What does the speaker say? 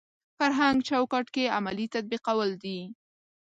فرهنګ چوکاټ کې عملي تطبیقول دي.